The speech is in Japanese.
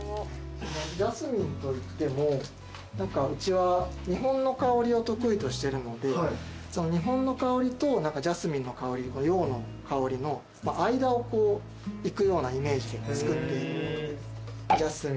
ジャスミンといってもうちは日本の香りを得意としてるので日本の香りとジャスミンの香り洋の香りの間をいくようなイメージで作っている。